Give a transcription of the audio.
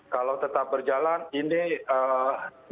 kalau tetap berjalan ini buat pekerjaan ini